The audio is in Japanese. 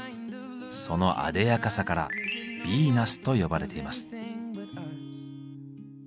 そのあでやかさから「ヴィーナス」と呼ばれています。